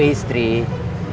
dia bilang dia capek